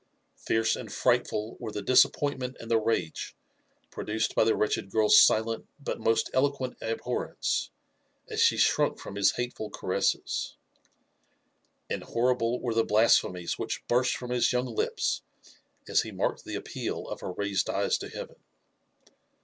Fierce and frightful were the disappointment and the rage produced by the wretched girl's silent but most eloquent abhorrence as she shrunk from his hateful caresses ; and horrible were the blasphemies which burst from his young lips as he marked the appeal of her raised eyes to heaven.